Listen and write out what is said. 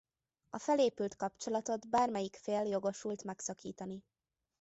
A felépült kapcsolatot bármelyik fél jogosult megszakítani.